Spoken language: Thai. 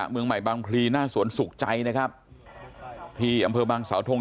เมืองใหม่บางพลีหน้าสวนสุขใจนะครับที่อำเภอบางสาวทง